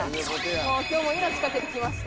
今日も命懸けて来ました。